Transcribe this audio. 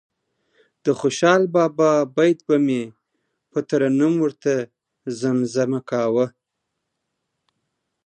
د خوشال بابا بیت به مې په ترنم ورته زمزمه کاوه.